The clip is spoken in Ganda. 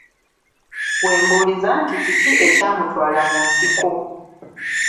We mbuuliza nti kiki ekyamutwala mu nsiko?